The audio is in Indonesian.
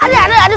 aduh aduh aduh